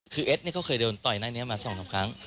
คือเอ็ดเขาเคยเดินต่อยแน่นี้มา๒๓ครั้ง